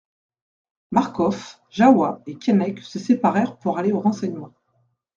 Marcof, Jahoua, et Keinec se séparèrent pour aller aux renseignements.